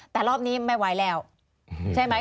แต่รอบนี้ไม่ไหวแล้วใช่ไหม